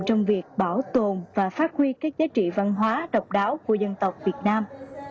trong việc bảo tồn và phát huy các giá trị văn hóa độc đáo của dân tộc việt nam